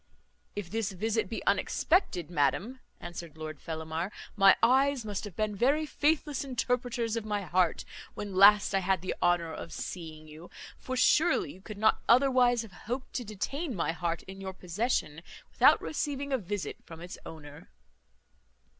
"If this visit be unexpected, madam," answered Lord Fellamar, "my eyes must have been very faithless interpreters of my heart, when last I had the honour of seeing you; for surely you could not otherwise have hoped to detain my heart in your possession, without receiving a visit from its owner."